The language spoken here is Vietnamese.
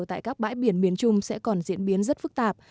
tại các bãi biển miền trung sẽ còn diễn biến rất phức tạp